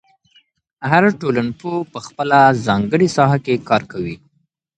هر ټولنپوه په خپله ځانګړې ساحه کې کار کوي.